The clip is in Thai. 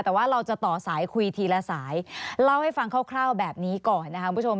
แต่ว่าเราจะต่อสายคุยทีละสายเล่าให้ฟังคร่าวแบบนี้ก่อนนะคะคุณผู้ชม